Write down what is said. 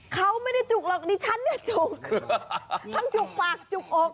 เขาไม่ได้จุกหรอกดิฉันเนี่ยจุกทั้งจุกปากจุกอก